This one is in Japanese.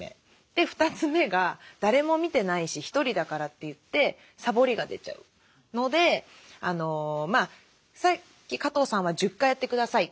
で２つ目が誰も見てないし１人だからっていってさぼりが出ちゃうのでさっき加藤さんは１０回やって下さい。